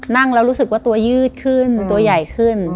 นั่งแล้วรู้สึกว่าตัวยืดขึ้นตัวใหญ่ขึ้น